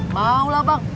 mau lah bang